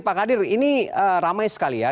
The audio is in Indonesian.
pak kadir ini ramai sekali ya